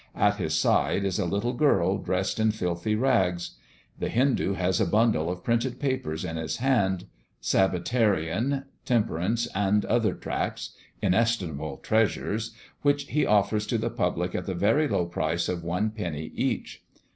At his side is a little girl dressed in filthy rags. The Hindoo has a bundle of printed papers in his hand, Sabbatarian, temperance, and other tracts inestimable treasures which he offers to the public at the very low price of one penny each.